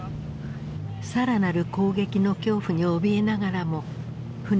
更なる攻撃の恐怖におびえながらも船は救出に向かう。